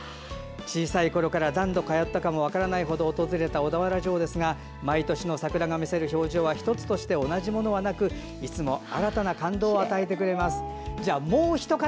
小さいころから何度通ったか分からないほど訪れた小田原城ですが毎年の桜が見せる表情は一つとして同じものはなくいつも毎年新たな感動を与えてくれます。